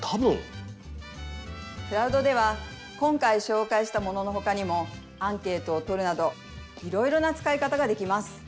クラウドでは今回しょうかいしたもののほかにもアンケートをとるなどいろいろな使い方ができます。